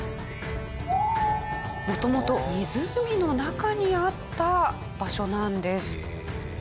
元々湖の中にあった場所なんです。